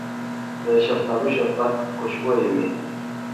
د شفتالو شربت خوشبويه وي.